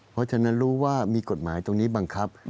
เพราะฉะนั้นรู้ว่ามีกฎหมายตรงนี้บังคับ